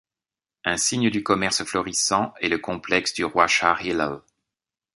Un signe du commerce florissant est le complexe du roi Shahr Hilal.